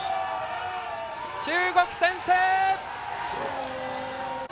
中国、先制！